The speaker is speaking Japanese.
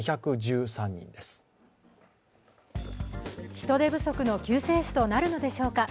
人手不足の救世主となるのでしょうか？